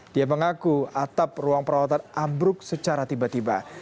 dia mengaku atap ruang perawatan ambruk secara tiba tiba